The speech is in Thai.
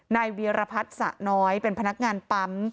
เวียรพัฒน์สะน้อยเป็นพนักงานปั๊ม